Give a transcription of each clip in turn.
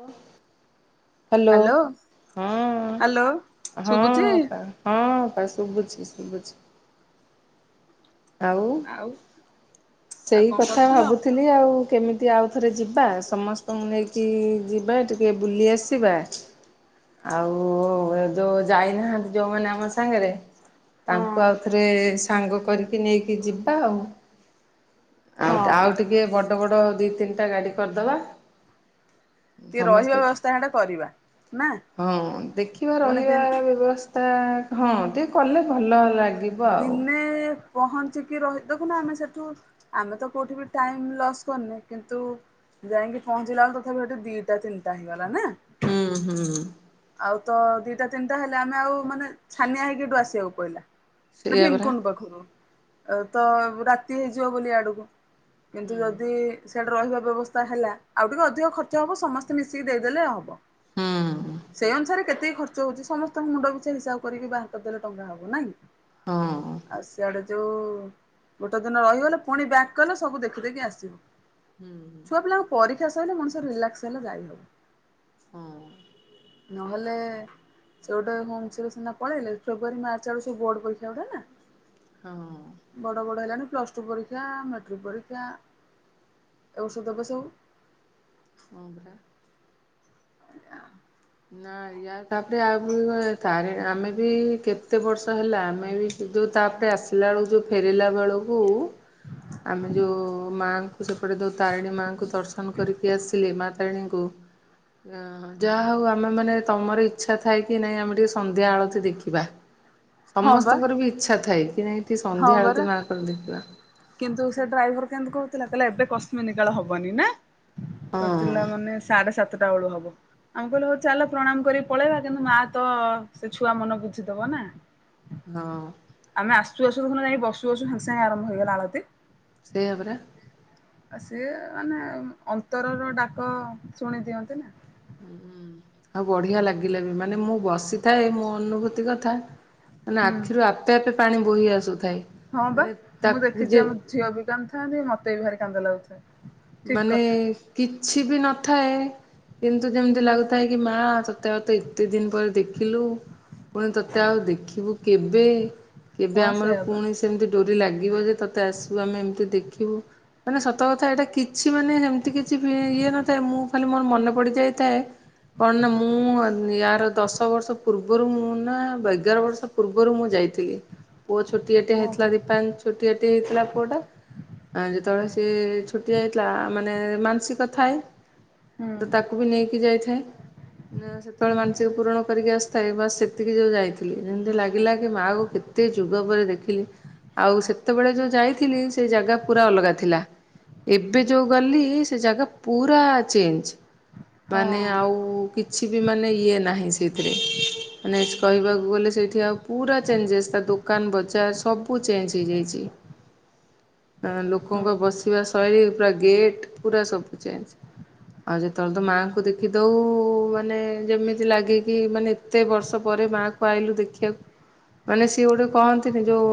Hello, hello hello hello ହଁ, ହଁ ଶୁଭୁଛି ଅପା। ହଁ ଅପା ଶୁବୁଛି, ଶୁବୁଛି। ଆଉ, ଆଉ ସେଇ କଣ କଥା କରୁଥିଲ? ଭାବୁଥିଲି। ଆଉ କେମିତି ଆଉ ଥରେ ଯିବା, ସମସ୍ତଙ୍କୁ ନେଇକି ଯିବା ଟିକେ ବୁଲି ଆସିବା। ଆଉ ଯୋଉ ଯାଇନାହାନ୍ତି ଯୋଉମାନେ ଆମ ସାଙ୍ଗେରେ ହଁ ତାଙ୍କୁ ଆଉ ଥରେ ସାଙ୍ଗ କରିକି ନେଇକି ଯିବା ଆଉ। ଆଉ ହଁ ଆଉ ଟିକେ ବଡ ବଡ ଦି ତିନିଟା ଗାଡି କରଦବା। ଟିକେ ରହିବା ସମସ୍ତେ ବ୍ୟବସ୍ଥା ହେଟା କରିବା ନା ହଁ ଦେଖିବା ମାନେ ଦିନ୍ ରହିବାର ବ୍ୟବସ୍ ତା ହଁ ଟିକେ କଲେ ଭଲ ଲାଗିବ ଆଉ। ଦିନେ ପହଞ୍ଚିକି ରହି ଦେଖୁନ ଆମେ ସେଠୁ, ଆମେ ତ କୋଉଠି ବି ଟାଇମ ଲସ୍ କରିନେ କିନ୍ତୁ ଯାଇଁକି ପହଞ୍ଚିଲାଳୁ ତଥାପି ଏଠୁ ଦିଟା ତିନଟା ହେଇଗଲା ନାଁ? ହୁଁ ହୁଁ। ଆଉ ତ ଦିଟା ତିନଟା ହେଲେ, ଆମେ ଆଉ ମାନେ ଛାନିଆ ହେଇକି ହେଠୁ ଆସିବାକୁ ପଇଲା। ମାନେ ସେଇଆ ପରା ଭୀମକୁଣ୍ଡ ପାଖୁକୁ। ତ ରାତି ହେଇଯିବ ବୋଲି ଇଆଡକୁ। ହୁଁ କିନ୍ତୁ ଯଦି ସିଆଡେ ରହିବା ବ୍ୟବସ୍ଥା ହେଲା ଆଉ ଟିକେ ଅଧିକ ଖର୍ଚ୍ଚ ହବ ସମସ୍ତେ ମିଶିକି ଦେଇଦେଲେ ହବ। ହୁଁ। ସେଇ ଅନୁସାରେ କେତିକି ଖର୍ଚ୍ଚ ହଉଛି ସମସ୍ତଙ୍କୁ ମୁଣ୍ଡ ପିଛା ହିସାବ କରିକି ବାହାର କରିଦେଲେ ଟଙ୍କା ହବ ନାଇଁ? ହଁ। ଆଉ ସିଆଡେ ଯୋଉ ଗୋଟେ ଦିନ ରହିଗଲେ ପୁଣି ବ୍ୟାକ୍ କଲେ ସବୁ ଦେଖି ଦେଇକି ଆସିବ। ହୁଁ ଛୁଆ ପିଲାଙ୍କ ପରୀକ୍ଷା ସଇଲେ ମଣିଷ ରିଲାକ୍ସ ହେଲେ ଯାଇ ହବ। ହଁ। ନହେଲେ ସେ ଗୋଟେ ହୁମ୍ସ ରେ ସିନା ପଳେଇଲେ। ଫ୍ରେବୃୟାରି, ମାର୍ଚ୍ଚ ଆଡ଼କୁ ସବୁ ବୋର୍ଡ ପରିକ୍ଷାଗୁଡା ନା? ହଁ। ବଡ ବଡ ହେଲାଣିି। ପ୍ଲସ୍ ଟୁ ପରୀକ୍ଷା, ମେଟ୍ରିକ ପରୀକ୍ଷା ଏ ବର୍ଷ ଦେବେ ସବୁ। ହଁ ପରା। [inaudible] ନା ୟା ତାପରେ ଅଗୁକୁ ତାରେ ଆମେ ବି କେତେ ବର୍ଷ ହେଲା ଆମେ ବି ସେ ଯୋଉ ତାପରେ ଆସିଲା ଏଳକୁ ଯୋଉ ଫେରିଲା ବେଳକୁ ଆମେ ଯୋଉ ମାଁଙ୍କୁ ସେପଟେ ଯୋଉ ତାରିଣୀ ମାଆଙ୍କୁ ଦର୍ଶନ କରିକି ଆସିଲି ମାଁ ତାରିଣୀଙ୍କୁ। ଅଁ ଯାହା ହଉ ଆ ମାନେ ତମର ଇଚ୍ଛା ଥାଇକି ନାଇଁ ଆମେ ଟିକେ ସନ୍ଧ୍ୟା ଆଳତି ଦେଖିବା। ହଁ ବା ସମସ୍ତଙ୍କର ବି ଇଚ୍ଛା ଥାଏ କି ନାଇଁ ଟିକେ ହଁ ସନ୍ଧ୍ୟା ପରା ଆଳତୀ ମାଙ୍କର ଦେଖିବା। କିନ୍ତୁ ସେ ଡ୍ରାଇଭର କେମ୍ତି କହୁଥିଲା କହିଲା ଏବେ କଶ୍ମୀନ୍ କାଳ ହବନି ନାଁ। ହଁ କହୁଥିଲା ମାନେ ସାଢେ ସାତଟା ବେଳୁ ହବ। ଆମେ କହିଲୁ ହଉ ଚାଲ ପ୍ରଣାମ୍ କରି ପଳେଇବା କିନ୍ତୁ ମା ତ ସେ ଛୁଆ ମନ ବୁଝିଦବ ନାଁ। ହଁ। ଆମେ ଆସୁ ଆସୁ ଦେଖୁନ ଯାଇକି ବସୁ ବସୁ ସାଙ୍ଗେ ସାଙ୍ଗେ ଆରମ୍ଭ ହେଇଗଲା ଆଳତି। ସେଇୟା ପରା। ଆ ସିଏ ମାନେ ଅନ୍ତରର ଡାକ ଶୁଣି ଦିଅନ୍ତି ନା। ଆଉ ବଢିଆ ଲାଗିଲା ବି। ମାନେ ମୁଁ ବସିଥାଏ ମୋ ଅନୁଭୂତି କଥା ମାନେ ହୁଁ ଆଖିରୁ ଆପେ ଆପେ ପାଣି ବୋହି ଆସୁଥାଏ। ହଁ ବା ମାନେ ମୁଁ ତାକୁ ଦେଖିଛି ଯେ ଆମ ଝିଅ ବି କାନ୍ଦୁଥାନ୍ତିି ମତେ ବି ଭାରି କାନ୍ଦ ଲାଗୁଥାଏ। ଠିକ ମାନେ କଥା କିଛି ବି ନଥାଏ କିନ୍ତୁ ଯେମ୍ତି ଲାଗୁଥାଏ କି ମାଁ ତତେ ଆଉ ତ ଏତେ ଦିନ୍ ପରେ ଦେଖିଲୁ। ପୁଣି ତତେ ଆଉ ଦେଖିବୁ କେବେ, କେବେ ହଁ ଆମର ସେଇଆ ବା ପୁଣି ସେ ସେମ୍ତି ଡୋରି ଲାଗିବ ଯେ ତତେ ଆସିବୁ ଆମେ ଏମ୍ତି ଦେଖିବୁ। ମାନେ ସତ କଥା ଏଇଟା କି ଛି ମାନେ ହେମ୍ତି କିଛି ଇଏ ନଥାଏ ମୁଁ ଖାଲି ମୋର ମନେ ପଡି ଯାଇଥାଏ କଣ ନା ମୁଁ ୟାର ଦଶ ବର୍ଷ ପୂର୍ବରୁ ମୁଁ ନା ଏଗାର ବର୍ଷ ପୂର୍ବରୁ ମୁଁ ଯାଇଥିଲି। ପୁଅ ଛୋଟିଆଟେ ହେଇଥିଲା ଓହୋ [unintelligible] ଛୋଟିଆଟେ ହେଇଥିଲା ପୁଅଟା। ଆ ଯେତେବେଳେ ସେ ଛୋଟିଆ ହେଇ ଥିଲା ମାନେ ମାନସିକ ଥାଏ, ହୁଁ ତ ତାକୁ ବି ନେଇକି ଯାଇଥାଏ। ସେତେବେଳେ ହୁଁ। ମାନସିକ ପୂରଣ କରିକି ଆସିଥାଏ, ବାସ୍ ସେ ସେତିକି ଯୋଉ ଯାଇଥିଲି, ଯେମିତି ଲାଗିଲା କି ମାଆ କୁ କେତେ ଯୁଗ ପରେ ଦେଖିଲି। ଆଉ ସେତେବେଳେ ଯୋଉ ଯାଇଥିଲି ସେ ଜାଗା ପୁରା ଅଲଗା ଥିଲା। ଏବେ ଯୋଉ ଗଲି ସେ ଜାଗା ପୁରା ଚେଞ୍ଜ। ହଁ ମାନେ ଆଉ କି କିଛି ବି ମାନେ ଇଏ ନାହିଁ ସେଇଥିରେ। ମାନେ କହିବାକୁ ଗଲେ ସେଇଠି ଆଉ ପୁରା ଚେଞ୍ଜେସ୍ ତା ଦୋକାନ ବଜାର ସବୁ ଚେଞ୍ଜ ହେଇଯାଇଚି। [inaudible] ଆ ଆଉ ଲୋକଙ୍କ ବସିବା ଶୈଳୀ ପୁରା ଗେଟ୍ ପୁରା ସବୁ ଚେଞ୍ଜ। ଆଉ ଯେତେବେଳେ ତ ମାଆଙ୍କୁ ଦେଖି ଦଉ ମାନେ ଯେମିତି ଲାଗେ କିି ମାନେ କେତେ ବର୍ଷ ପରେ ମା କୁ ଆଇଲୁ ଦେଖିବାକୁ। ମାନେ ସିଏ ଗୋଟେ କହନ୍ତିନି ଯୋଉ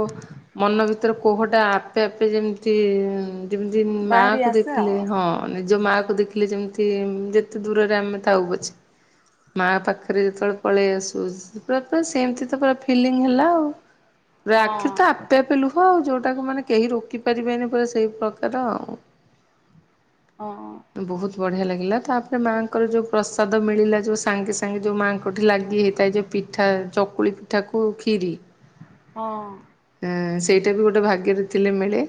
ମନ ଭିତରେ କୋହଟା ଆପେ ଆପେ ଯେମତି ଯେମିତି ମା ବାହାରି ଆସେ ଆଉ। ହଁ ନିଜ ମା କୁ ଦେଖିଲେ ଯେମିତି ଯେତେ ଦୂରରେ ଆମେ ଥାଉ ପଛେ ମାଆ ପାଖରେ ଯେତେବେଳେ ପଳେଇ ଆସୁ, ପୁରା ତ ସେମତି ତ ପୁରା ଫିଲିଙ୍ଗ ହେଲା ଆଉ। ହ [inaudible] ପୁରା ଆଖିରୁ ତ ଆପେ ଆପେ ଲୁହ ଆଉ, ଯୋଉଟାକୁ ମାନେ କେହି ରୋକି ପାରିବେନି ପୁରା ସେଇ ପ୍ରକାର ଆଉ। ହଁ। ବହୁତ୍ ବଢିଆ ଲାଗିଲା। ତାପରେ ମାଆଙ୍କର ଯୋଉ ପ୍ରସାଦ ମିଳିଲା ଯୋଉ ସାଙ୍ଗେ ସାଙ୍ଗେ ଯୋଉ ମାଆଙ୍କଠି ଲାଗି ହେଇଥାଏ ଯେ ପିଠା ଚକୁଳି ପିଠାକୁ କ୍ଷୀରି। ହଁ। ସେଇଟା ବି ଗୋଟେ ଭାଗ୍ୟରେ ଥିଲେ ମିଳେ।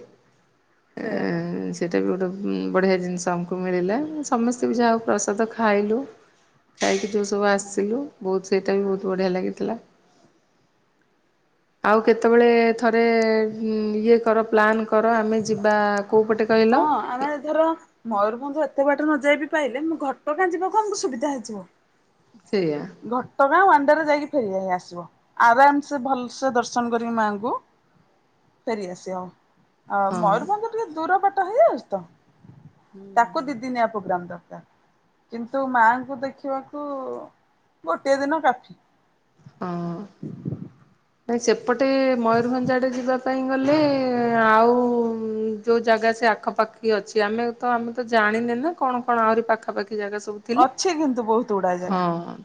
ସେଇଆ ପା। ସେଟେ ବି ଗୋଟେ ବଢ଼ିଆ ଜିନିଷ ଆମକୁ ମିଳିଲା ସମସ୍ତେ ବି ଯାହାହାଉ ପ୍ରସାଦ ଖାଇଲୁ। ଯାଇକି ଯେଉଁ ସବୁ ଆସିଥିଲୁ ବହୁତ ସେଇଟା ବି ବହୁତ ବଢ଼ିଆ ଲାଗିଥିଲା। [inaudible] ଆଉ କେତେବେଳେ ଥରେ ଇଏ କର ପ୍ଲାନ୍ କର ଆମେ ଯିବା କୋଉ ପଟେ କହିଲେ। ହଁ ଆମେ ଧର ମୟୂରଭଞ୍ଜ। ଏ ତ ବାଟ ନ ଯାଇବି ପାଇଲେ ମୁଁ ଘଟ କାଁ ଯିବ କଣୁ ସୁବିଧା ହେଇଯିବ। ସେୟା। ଘଟଗାଁ ୱାଣ୍ଡେରେ ଯାଇକି ଫେରି ହ ଆସିବ। ଆରାମ ସେେ ଭଲସେ ଦର୍ଶନ କରିକି ମାଆଙ୍କୁ ଫେରିଆସିବା। ଆ ହଁ ମୟୂରଭଞ୍ଜ ଟିକେ ଦୂର ବାଟ ହେଇଯାଉଛି ତ ତାକୁ ଦିଦିନିଆ ପ୍ରୋଗ୍ରାମ ଦରକାର, କିନ୍ତୁ ମାଙ୍କୁ ଦେଖିବାକୁ ଗୋଟେ ଦିନ କାଫି। ହଁ, ନାଇଁ ସେପଟେ ମୟୂରଭଞ୍ଜ ଆଡେ ଯିବା ପାଇଁ ଗଲେ ଆଉ ଯେଉଁ ଜାଗା ସେ ଆଖପାଖି ଅଛି ଆମେ ତ ଆମେ ତ ଜାଣିନେ ନା କଣ କଣ ଆହୁରି ପାଖାପାଖି ଜାଗା ସବୁ ଥିଲା ଅଛି କିନ୍ତୁ ବହୁତ ଗୁଡାଏ ଜାଗା ହଁ।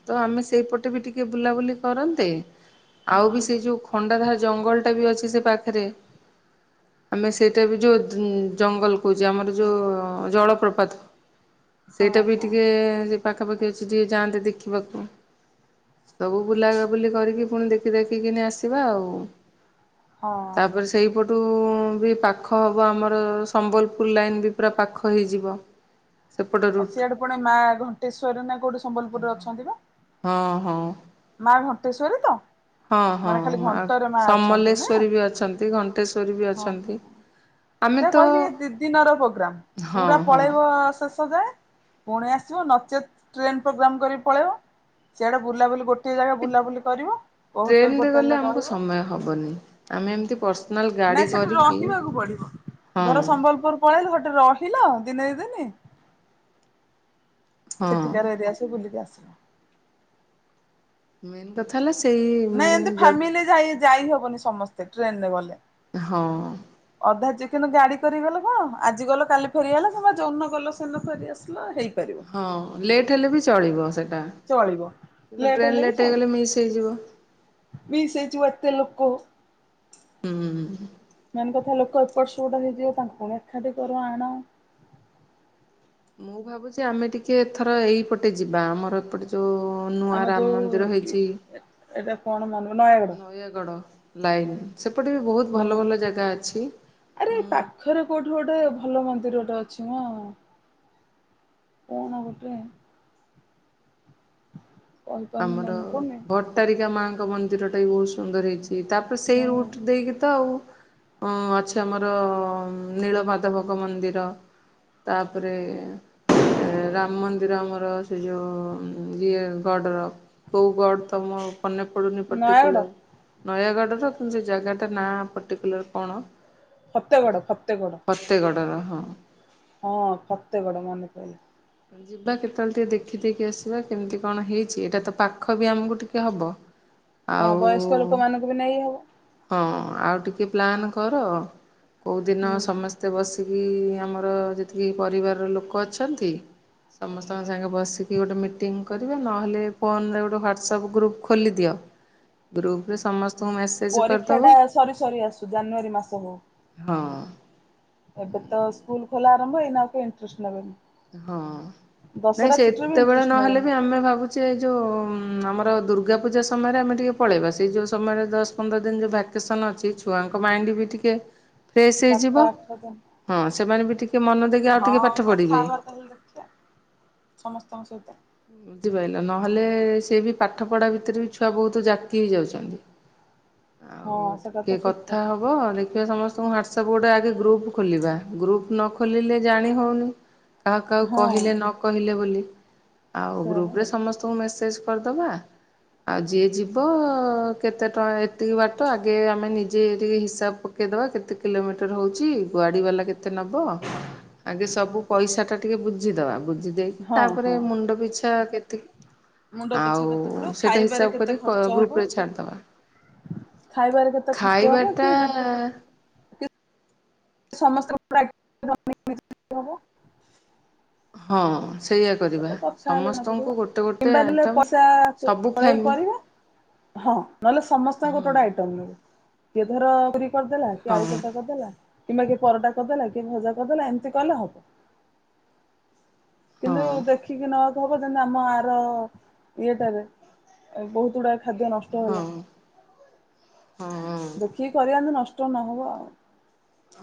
ତ ଆମେ ସେଇପଟେ ବି ଟିକେ ବୁଲାବୁଲି କରନ୍ତେ ଆଉ ବି ସେଇ ଯୋଉ ଖଣ୍ଡାଧାର ଜଙ୍ଗଲ ବି ଅଛି ସେ ପାଖରେ ଆମେ ସେଇଟା ବି ଯୋଉ ଜଙ୍ଗଲ କହୁଛେ ଆମର ଯୋଉ ଜଳପ୍ରପାତ। [inaudible] ସେଇଟା ବି ହଁ। ଟିକେ ପାଖାପାଖି ଅଛି ଟିକେ ଯାଆନ୍ତେ ଦେଖିବାକୁ। ସବୁ ବୁଲାବୁଲି କରିକି ପୁଣି ଦେଖି ଦେଖିକିନ ଆସିବା ଆଉ ହଁ ତାପରେସେ ସେଇପଟୁ ବି ପାଖ ହେବ ଆମର ସମ୍ବଲପୁର ଲାଇନ୍ ବି ପୁରା ପାଖ ହେଇଯିବ। ସେପଟ ଆଉ ରୁଟ୍ ସିଆଡେ ପୁଣି ମା ଘଣ୍ଟେଶ୍ଵରରେ ନା କୋଉଠି ସମ୍ବଲପୁରରେ ଅଛନ୍ତି ବା। ହଁ ହଁ। ମା ଘଣ୍ଟେଶ୍ଵରୀ ତ? ହଁ ମାନେ ଖାଲି ହଁ ଘଣ୍ଟରେ ମା ଅଛନ୍ତି ନା ସମଲେଶ୍ଵରୀ ବି ଅଛନ୍ତି ଘଣ୍ଟେଶ୍ଵରୀ ବି ହଁ ହଁ। ଅଛନ୍ତି। ଆମେ ସେ ତ କହିଲି ଦି ଦିନର ପ୍ରୋଗ୍ରାମ ହଁ ପୁରା ହଁ। ପଳେଇବ ପୁଣି ଆସିବ ନଚେତ ଟ୍ରେନ ପ୍ରୋଗ୍ରାମ କରି ପଳେଇବ, ସେଆଡେ ବୁଲାବୁଲି ଗୋଟ [inaudible] ବୁଲାବୁଲି କରିବ ଓ ହୋଟେଲ ଫୋଟେଲରେ ରହିବ। ହ ହେବନି। ଆମେ ଏମତି ପର୍ସ ନାଇଁ ସେଠି ରହିବାକୁ ପଡିବ ହଁ ଧର ସମ୍ବଲପୁର ପଳେଇଲେ ଗୋଟେ ସେଠି ଲରହିଲ ଦିନେ ଦ ଦିନେ ହଁ। ସେଠିକାର ଏରିଆସ ବୁଲିକି ଆସିଲ। ମେନ୍ କଥା ହେଲା ସେଇ ନାଇଁ ମେନ୍ ଏମିତି ଯ ଫାମିଲି ଯାଇ ଯାଇ ହବନି ସମସ୍ତେ ଟ୍ରେନ ରେ ଗଲେ। ହଁ। ଅଧା ଯ କିନ୍ତୁ ଗାଡି କରିଗଲ କଣ ଆଜି ଗଲ କାଲି ଫେରିଗଲା କିମ୍ବା ଯଉନ ଗଲ ସେନ ଫେରି ଆସିଲ ହେଇକ। ହଁ ଲେଟ୍ ହେଲେ ବି ଚଳିବ ସେଇଟା ଚଳିବ କିନ୍ତୁ ଟ୍ରେନ୍ ଲେଟ୍ ହେଇଗଲେ ମିସ୍ ହେଇଯିବ। ମିସ ସେଇଚିବ ଏତେ ଲୋକ [unintelligible] ହୁଁ- ହୁଁ-ହୁଁ। ମାନେ କଥା ଲୋକ ଏପଟ ସେପଟ ହେଇଯିବ ତାଙ୍କୁ ପୁଣି ଏକାଠି କରୁ ଆଣ ମୁଁ ଭାବୁଛି ଆମେ ଟିକେ ଏଥର ଏଇପଟେ ଯିବା ଆମର ଏପଟେ। ଯୋଉ ନୂଆ ଆମ ଯୋଉ ରାମମନ୍ଦିର ହେଇଛି ଏଇଟା କଣ ମନେ ନୟାଗଡ ନୟାଗଡ଼ ଲାଇନ ସେପଟେ ବି ବହୁତ ଭଲ ହଁ ଭଲ ଜାଗା ଅଛି ଆରେ ମୁଁ ପାଖରେ କୋଉଠୁ ଗୋଟେ ଭଲ ମନ୍ଦିର ଗଟେ ଅଛି ମ କଣ ଗୋଟେ? କହିପାରୁନି ଆମର ମନେ ପଡୁନି ଭଟ ଭଟାରିକା ମାଙ୍କ ମନ୍ଦିର ଟା ବି ବହୁତ ସୁନ୍ଦର ହେଇଛି, ତାପରେ ସେଇ ହଁ ରୁଟ ଦେଇକି ତ ଆଉ। ହଁ, ଅଛି ଆମର ନୀଳ ମାଧବଙ୍କ ମନ୍ଦିର, ତାପରେ ରାମ ମନ୍ଦିର ଆମର ସେ ଯୋଉ ଇଏ ଗଡ଼ର, କୋଉ ଗଡ଼ ତ ମୋ ମନେ ପଡ଼ୁନି ନୟାଗଡ ପର୍ଟକୁଲାର। ନୟାଗଡ଼ର କିନ୍ତୁ ସେ ଜାଗାଟା ନାଁ ପର୍ଟିକୁଲାର କଣ ଫତେଗଡ [unintelligible] ଫତେଗଡ ଫତେଗଡ଼ର, ହଁ। ହଁ, ଫତେଗଡ ମନେ ପଡ଼ିଲା। ଯିବା କେତେବେଳେ ଟିକେ ଦେଖିଦେଇକି ଆସିବା କେମିତି କଣ ହେଇଛି, ଏଇଟା ତ ପାଖ ବି ଆମକୁ ଟିକେ ହବ। ହଁ, ଆଉ ବୟସ୍କ ଲୋକମାନଙ୍କୁ ବି ନେଇ ହବ। ହଁ, ଆଉ ଟିକେ ପ୍ଲାନ୍ କର କୋଉ ଦିନ ହୁଁ ସମସ୍ତେ ତେ ବସିକି ଆମର ଯେତିକି ପରିବାରର ଲୋକ ଅଛନ୍ତି ସମସ୍ତଙ୍କ ସାଙ୍ଗେ ବସିକି ଗୋଟେ ମିଟିଙ୍ଗ କରିବେ, ନହେଲେ ଫୋନ ରେ ଗୋଟେ ହ୍ଵାଟସଆପ୍ ଗ୍ରୁପ ଖୋଲିଦିଅ। ଗ୍ରୁପ ରେ ସମସ୍ତଙ୍କୁ ମେସ୍ ପରୀକ୍ଷା ଟା ସରି ସରି ଆସୁ, ଜାନୁଆରୀ ମାସ ହଉ। ହଁ। ଏବେତ ସ୍କୁଲ୍ ଖୋଲା ଆରମ୍ଭ ଏଇନା ଆଉ କେହି ଇଣ୍ଟ୍ରେଷ୍ଟଟ୍ ନେବେନି। ହଁ, ନାଇଁ, ଦଶହରା ଛୁଟିରେ ବି ସେତେବେଳେ ଇଣ୍ଟରେଷ୍ଟ ନହେଲେ ନେବେନି ବି ଆମେ ଭାବୁ ସେ ଯଉ ଆମର ଦୁର୍ଗା ପୂଜା ସମୟରେ ଆମେ ଟିକେ ପଳେଇବା, ସେଇ ଯୋଉ ସମୟରେ ଦଶ ପନ୍ଦର ଦିନ ଯଉ ବା [inaudible] ଅଛି, ଛୁଆଙ୍କ ମାଇଣ୍ଡ ବି ଟିକେ ଫ୍ରେସ୍ ହେଇଯିବ, ସାତ ଆଠ ଦିନ ହଁ ସେମାନେ ବି ଟିକେ ମନ ଦେଇକି ଆଉ ହଁ, ଟିକେ ପାଠ କଥା ପଢ଼ିବେ। ହବା ତାହଲେ ଦେଖିବା ସମସ୍ତଙ୍କ ସହିତ। ବୁଝିପାରିଲ, ନହେଲେ ସେ ବି ପାଠ ପଢା ଭିତରେ ବି ଛୁଆ ବହୁତ ଯାକି ହେଇଯାଉଛନ୍ତି। ହଁ ଆଉ ସେଟା ଟିକେ ତ ଠିକ କଥା ହବ, ଦେଖିବା ସମସ୍ [inaudible] ହ୍ଵାଟସଆପ୍ ଗୋଟେ ଆଗେ ଗ୍ରୁପ ଖୋଲିବା, ଗ୍ରୁପ ନ ଖୋଲିଲେ ଜାଣି ହଉନି। କାହାକୁ କାହାକୁ ହଁ କହିଲେ ନ କହିଲେ ବୋଲି। ଆଉ ସେୟା ବା ଗ୍ରୁପ ରେ ସମସ୍ତଙ୍କୁ ମେସେଜ୍ କରିଦବା। ଆଉ ଯିଏ ଯିବ କେତେ ଟଙ୍କା, ଏତିକି ବାଟ ଆଗେ ଆମେ ନିଜେ ଟିକେ ହିସାବ ପ ପକେଇଦବା କେତେ କିଲୋମିଟର ହେଉଛି, ଗାଡ଼ି ବାଲା କେତେ ନେବ? ଆଗେ ସବୁ ପଇସା ଟା ଟିକେ ବୁଝିଦବା, ବୁଝି ଦେଇକି, ହଁ ତାପରେ ହଁ। ମୁଣ୍ଡ ପିଛା କେତିକି ମୁଣ୍ଡ ପିଛା କେତେ ଆଉ ପଡିବ ସେଇଟା ଖାଇବାରେ ହିସାବ କେତେ କରି କ ଖର୍ଚ୍ଚ ଗ୍ରୁପ ରେ ହବ? ଛାଡିଦବା। ଖାଇବାରେ କେତେ ଖର୍ଚ୍ଚ ହବ ଖାଇବା କି ଟା ଯଦି ସମସ୍ତଙ୍କ ପ୍ରା ହଁ। ସେଇଆ କରିବା, କଥା ହେଲେ ଜଣା ପଡିବ। ସମସ୍ତଙ୍କୁ ଗୋଟେ ଗୋଟେ କିମ୍ବା ନହେଲେ ଆଇଟମ୍ ପଇସା ସବୁ ତୋଳେଇ ଫ୍ୟାମିଲ କରିବା। ହଁ, ନହେଲେ ସମସ୍ତଙ୍କର ଗୋଟେ ଗୋଟେ ଆଇଟମ ନୋବୁ। କିଏ ଧର ପୁରୀ କରିଦେଲା, କିଏ ହଁ ଆଳୁ କଷା କରିଦେଲା। କିମ୍ବା କିଏ ପରଟା କରିଦେଲା, କିଏ ଭଜା କରିଦେଲା, ଏମିତି କଲେ ହବ। ହଁ କିନ୍ତୁ ଦେଖିକି ନବାକୁ ହବ, ଯେମତି ଆମ ଆର ଇଏଟାରେ ବହୁତ ଗୁଡା ଖାଦ୍ୟ ନଷ୍ଟ ହଁ ହେଲା, ହଁ ଦେଖିକି କରିବା ଯେମିତି ନଷ୍ଟ ନ ହବ ଆଉ।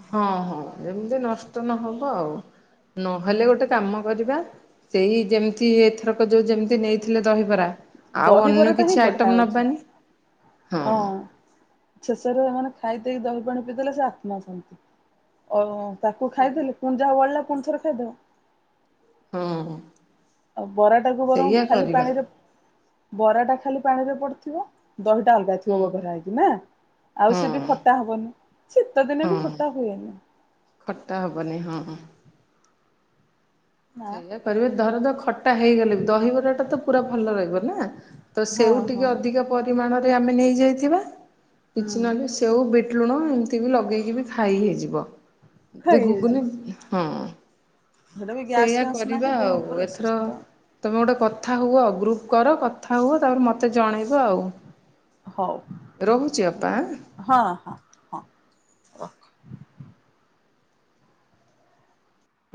ହଁ, ହଁ, ଏମିତି ନଷ୍ଟ ନହବ ଆଉ, ନହେଲେ ଗୋଟେ କାମ କରିବା। ସେଇ ଯେମିତି ଏଥରକ ଯୋଉ ଯେମିତି ନେଇଥିଲେ ଦହିବରା ଆଉ ଅନ୍ୟ ଦହିବରାଟା ହିଁ କିଛି ବଢିଆ ଆଇଟମ ହଉଛି ନବାନି, ହଁ। ଶେଷରେ ମାନେ ଖାଇ ଦେଇେଇକି ଦହି ପାଣି ପିଇଦେଲେ ସେ ଆତ୍ମା ଶାନ୍ତି, ଅ ତାକୁ ସେ ଖାଇଦେଲେ ପୁଣିଯାହା ବଳିଲା ପୁ ଣିଥରେ ଖାଇଦବ। ହଁ ଆଉ ବରାଟାକୁ ବରଂ ସେଇଆ ଖାଲି କରିବା ପାଣିରେ ବରାଟା ଖାଲି ପାଣିରେ ପଡିଥିବ। ଦହିଟା ଅଲଗା ହୁଁ ଥିବ ଗୋଟେ ନାହଁ କି ନା। ଆଉ ହଁ ସେ ବି ଖଟା ହବନି ଶୀତ ଦିନେ ହଁ ବି ଖଟା ହୁଏନି। ଖଟା ହବନି ହଁ। ନା ସେଇଆ ଖଟା କରିବେ ହବନି। ଧର ଧ ଖଟା ହେଇଗଲେ ବି ଦହିବରାଟା ତ ପୁରା ଭଲ ରହିବ ନା। ତ ସେଉ ହଁ ଟିକେ ହଁ ଅଧିକା ପ। ପରିମାଣରେ ଆମେ ନେଇଯାଇଥିବା ହୁଁ କିଛି ନହେଲେ ସେଉ ବିଟ ଲୁଣ ଏମତି ବି ଲଗେଇକି ବି ଖାଇ ହେଇଯିବ ଖାଇ ଯଦି ହେଇଯିବ। ଘୁଗୁନି ହଁ। ସେଟା ବି ଗ୍ୟାସ୍ ସେଇଆ ଫ୍ୟାସ୍ ନାହିଁ କରିବା ଦେହ ଆଉ ପୁରା ଏଥର। ସୁସ୍ଥ ତମେ ଗୋଟେ କଥା ହୁଅ ଗ୍ରୁପ କର କଥା ହୁଅ ତାପରେ ମତେ ଜଣେଇବ ଆଉ। ହଉ ରହୁଛି ଅପା। ହଁ ହଁ। ହଁ। ରଖ।